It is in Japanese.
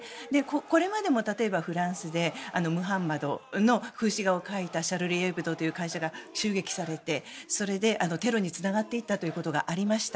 これまでも例えばフランスでムハンマドの風刺画を描いたシャルリー・エブドという会社が襲撃されて、それでテロにつながっていったことがありました。